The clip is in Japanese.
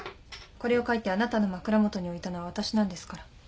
これを書いてあなたの枕元に置いたのは私なんですから。